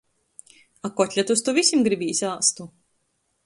A kotletus to vysim grybīs āstu.